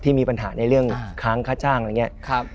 มีปัญหาในเรื่องค้างค่าจ้างอะไรอย่างนี้